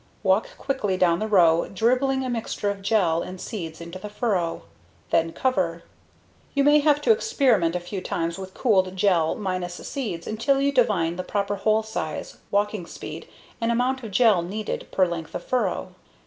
Walk quickly down the row, dribbling a mixture of gel and seeds into the furrow. Then cover. You may have to experiment a few times with cooled gel minus seeds until you divine the proper hole size, walking speed and amount of gel needed per length of furrow.